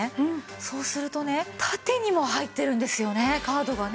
そうするとね縦にも入ってるんですよねカードがね。